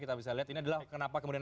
kita bisa lihat ini adalah kenapa kemudian